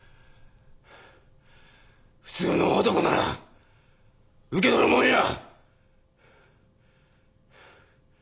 普通の男なら受け取るもんや！